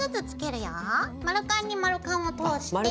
丸カンに丸カンを通して。